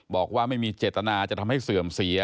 บอกว่าไม่มีเจตนาจะทำให้เสื่อมเสีย